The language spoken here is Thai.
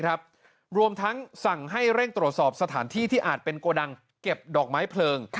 รวมทั้งสั่งให้เร่งตรวจสอบสถานที่ที่อาจเป็นโกดังเก็บดอกไม้เพลิง